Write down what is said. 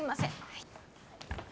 はい